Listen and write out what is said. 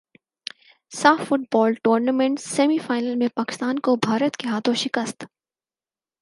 ساف football tournament semi final میں پاکستان کو بھارت کے ہاتھوں شکست